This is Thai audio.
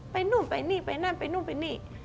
นู่นไปนี่ไปนั่นไปนู่นไปนี่